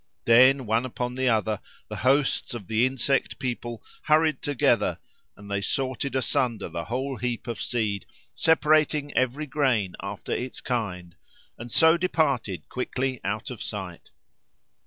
Then, one upon the other, the hosts of the insect people hurried together; and they sorted asunder the whole heap of seed, separating every grain after its kind, and so departed quickly out of sight.